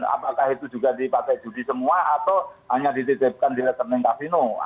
apakah itu juga dipakai judi semua atau hanya dititipkan di rekening kasino